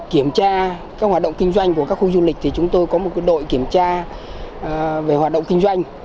kiểm tra các hoạt động kinh doanh của các khu du lịch thì chúng tôi có một đội kiểm tra về hoạt động kinh doanh